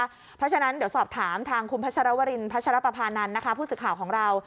เพราะฉะนั้นเดี๋ยวสอบถามทางคุณพระชรวรินทร์พระชรปภานันทร์ผู้ศึกข่าวของเรา